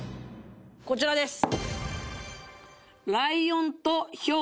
こちらです。